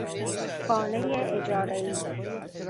خانه اجاره ای